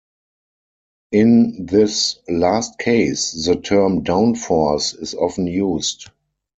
In this last case, the term downforce is often used.